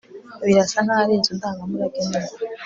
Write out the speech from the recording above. Birasa nkaho ari inzu ndangamurage nini